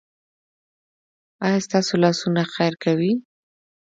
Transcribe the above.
ایا ستاسو لاسونه خیر کوي؟